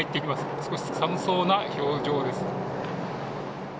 少し寒そうな表情です。